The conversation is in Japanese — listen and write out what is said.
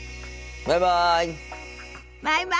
バイバイ。